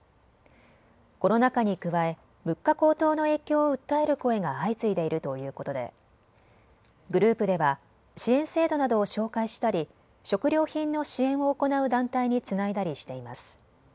コロナ禍に加え物価高騰の影響を訴える声が相次いでいるということでグループでは支援制度などを紹介したり食料品の支援を行う団体につないだりしています。